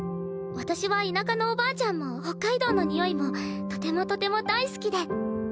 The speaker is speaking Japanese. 私は田舎のおばあちゃんも北海道の匂いもとてもとても大好きで。